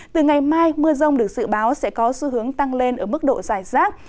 từ ngày mai mưa rông được dự báo sẽ có xu hướng tăng lên ở mức độ dài rác